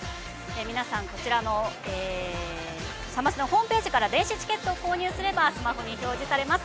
皆さん、こちらのサマステのホームページから電子チケットを購入すればスマホに表示されます。